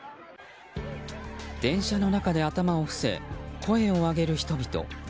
電車の中で頭を伏せ声を上げる人々。